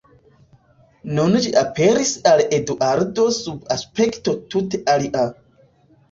Nun ĝi aperis al Eduardo sub aspekto tute alia.